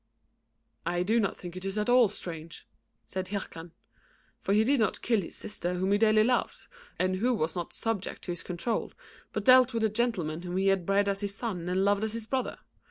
"I do not think it at all strange," said Hircan, "for he did not kill his sister whom he dearly loved, and who was not subject to his control, but dealt with the gentleman whom he had bred as his son and loved as his brother.